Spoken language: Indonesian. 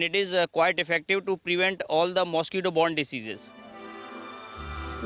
dan ini cukup efektif untuk mengelakkan semua penyakit muskido